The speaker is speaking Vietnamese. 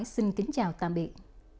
xin kính chào tạm biệt